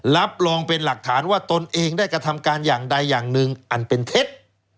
รับรองเป็นหลักฐานว่าตนเองได้กระทำการอย่างใดอย่างหนึ่งอันเป็นเท็จ